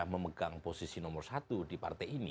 memegang posisi nomor satu di partai ini